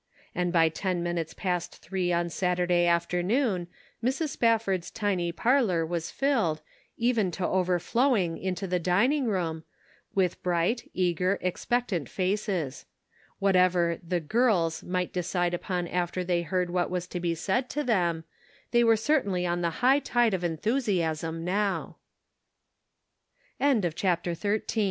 And by ten minutes past three on Saturday afternoon Mrs. Spafford's tiny parlor was filled, even to overflowing into the dining room, with bright, eager, expectant faces. Whatever " the girls," might decide upon after they heard what was to be said to them, they were certainly on the high tide of enthusiasm now. CHAPTER XIV. i A PROBLE